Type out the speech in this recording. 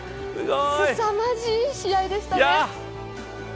すさまじい試合でしたね。